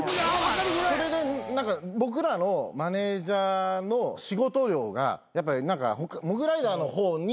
それで僕らのマネジャーの仕事量が何かモグライダーの方に。